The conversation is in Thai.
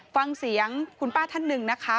ฟังเสียงคุณป้าท่านหนึ่งนะคะ